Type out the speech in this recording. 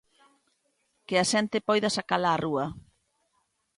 Que a xente poida sacala á rúa.